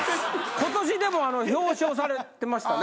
今年でもあの表彰されてましたね。